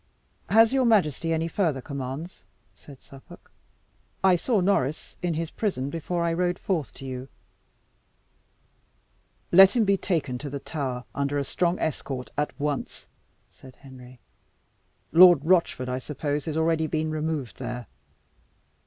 "Has your majesty any further commands?" said Suffolk. "I saw Norris in his prison before I rode forth to you." "Let him be taken to the Tower, under a strong escort, at once," said Henry. "Lord Rochford, I suppose, has already been removed there?"